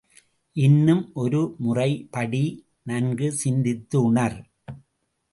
இன்னும் ஒருமுறை படி, நன்கு சிந்தித்து உணர்.